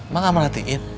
mak gak merhatiin